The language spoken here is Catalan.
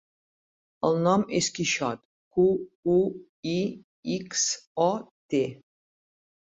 El nom és Quixot: cu, u, i, ics, o, te.